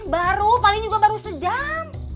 baru paling juga baru sejam